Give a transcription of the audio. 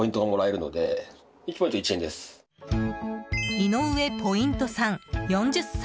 井上ポイントさん、４０歳。